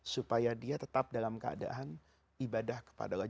supaya dia tetap dalam keadaan ibadah kepada allah